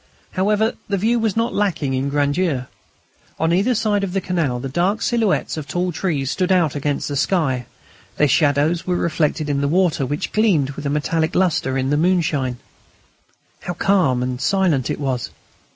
However, the view was not lacking in grandeur. On either side of the canal the dark silhouettes of tall trees stood out against the sky. Their shadows were reflected in the water, which gleamed with a metallic lustre in the moonshine. How calm and silent it was!